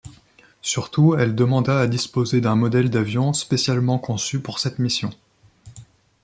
Surtout elle demanda à disposer d'un modèle d'avions spécialement conçus pour cette mission.